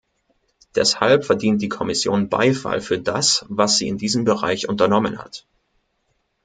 Deshalb verdient die Kommission Beifall für das, was sie in diesem Bereich unternommen hat.